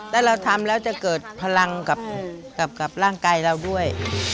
แล้วเราทำแล้วจะเกิดพลังกับร่างกายเราด้วย